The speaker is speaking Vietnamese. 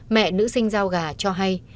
mẹ nữ sinh giao gà cho hay